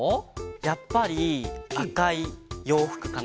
やっぱりあかいようふくかな。